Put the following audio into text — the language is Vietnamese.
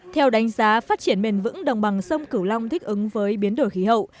theo đánh giá phát triển bền vững đồng bằng sông cửu long thích ứng với biến đổi khí hậu